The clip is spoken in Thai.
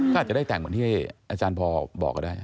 ก็อาจจะต้องแบบที่อาจารย์พอบอกก็ได้